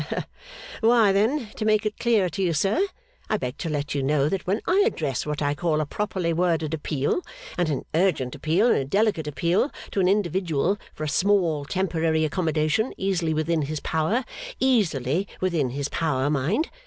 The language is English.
Why, then, to make it clearer to you, sir, I beg to let you know that when I address what I call a properly worded appeal, and an urgent appeal, and a delicate appeal, to an individual, for a small temporary accommodation, easily within his power easily within his power, mind!